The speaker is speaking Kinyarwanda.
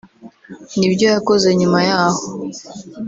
n’ibyo yakoze nyuma yaho